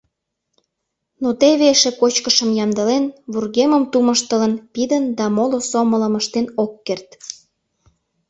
Но теве эше кочкышым ямдылен, вургемым тумыштылын, пидын да моло сомылым ыштен ок керт.